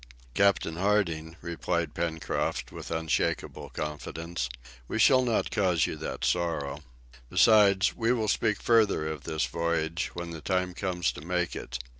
"Captain Harding," replied Pencroft, with unshaken confidence, "we shall not cause you that sorrow. Besides, we will speak further of this voyage, when the time comes to make it.